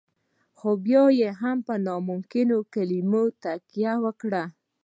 خو بيا يې هم پر ناممکن کلمه تکيه وکړه.